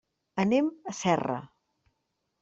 Anem a Serra.